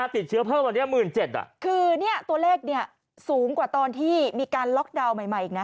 ติดเชื้อเพราะว่าวันนี้๑๗๐๐๐ตัวเลขสูงกว่าตอนที่มีการล็อคดาวน์ใหม่